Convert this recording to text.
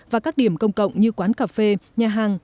và các điểm công cộng như quán cà phê nhà hàng